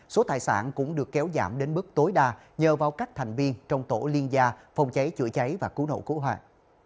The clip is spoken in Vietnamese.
số tài sản cũng được kéo giảm đến bức tối đa nhờ vào cách thành viên trong tổ liên gia phòng cháy chữa cháy và cứu nộ cứu hoạt